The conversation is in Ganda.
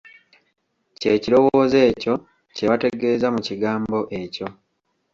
Kye kirowoozo ekyo kye bategeeza mu kigambo ekyo.